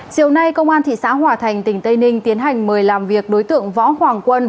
chiều nay công an thị xã hòa thành tỉnh tây ninh tiến hành mời làm việc đối tượng võ hoàng quân